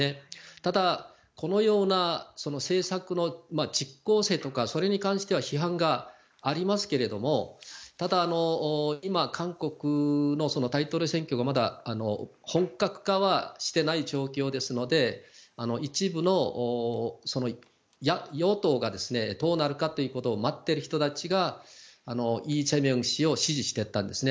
ただ、このような政策の実効性とかそれに関しては批判がありましたけどただ、今、韓国の大統領選挙が本格化はしていない状況ですので一部の与党がどうなるかということを待ってる人たちがイ・ジェミョン氏を支持してたんですね。